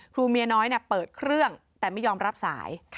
เมียน้อยเปิดเครื่องแต่ไม่ยอมรับสาย